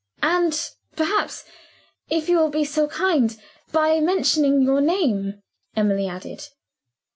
"And, perhaps (if you will be so kind), by mentioning your name," Emily added.